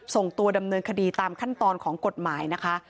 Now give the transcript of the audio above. ส่งตัวดำเนินคดีตามขั้นตอนของกฎหมายนะคะ